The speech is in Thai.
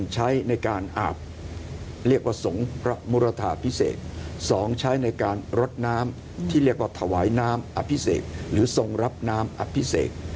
ใช้ในการอาบเรียกว่าสงฆ์พระมุรทาพิเศษ๒ใช้ในการรดน้ำที่เรียกว่าถวายน้ำอภิเษกหรือทรงรับน้ำอภิเษก